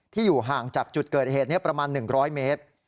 อยู่ห่างจากจุดเกิดเหตุประมาณ๑๐๐เมตร